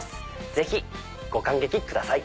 ぜひご観劇ください。